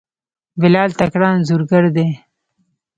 بلال تکړه انځورګر دی.